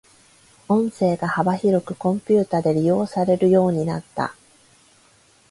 音声が幅広くコンピュータで利用されるようになった。